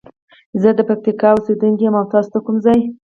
زه د پکتیکا اوسیدونکی یم او تاسو د کوم ځاي؟